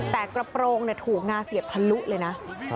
แต่กระโปรงถูกงาเสียบทะลุเลยนะ